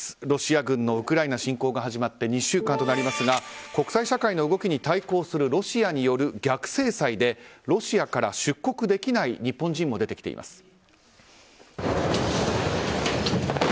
ロシア軍のウクライナ侵攻が始まって２週間となりますが国際社会の動きに対抗するロシアによる逆制裁でロシアから出国できない日本人も出てきています。